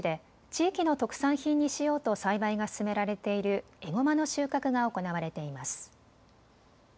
地域の特産品にしようと栽培が進められているエゴマの収穫が行われています。